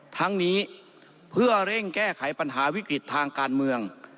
ทั้งนี้เพื่อเร่งแก้ไขปัญหาวิกฤตทางการเมือง